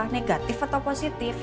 negatif atau positif